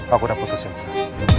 aku udah putus yusof